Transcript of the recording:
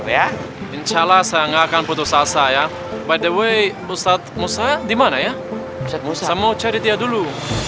ya insyaallah saya akan putus asa ya by the way ustadz musa dimana ya saya mau cari dia dulu